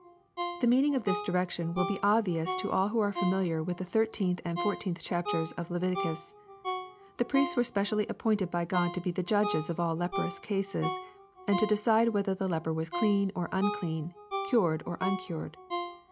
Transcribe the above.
] The meaning of this direction will be obvious to all who are familiar with the thirteenth and four teenth chapters of Leviticus. The priests were specially appointed by God to be the judges of all leprous cases, and to decide whether the leper was clean or unclean, cured or uncured.